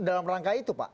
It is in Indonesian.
dalam rangka itu pak